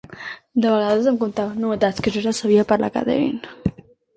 De vegades em contaven novetats que jo ja sabia per la Catherine.